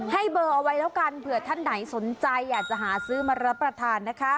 ให้เบอร์เอาไว้แล้วกันเผื่อท่านไหนสนใจอยากจะหาซื้อมารับประทานนะคะ